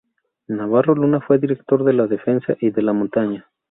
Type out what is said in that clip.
Navarro Luna fue director de "La Defensa" y de "La Montaña".